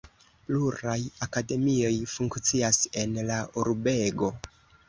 Pluraj akademioj funkcias en la urbego.